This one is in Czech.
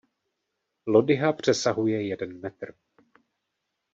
Lodyha přesahuje jeden metr.